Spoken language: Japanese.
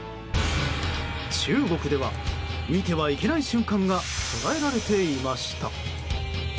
中国では見てはいけない瞬間が捉えられていました。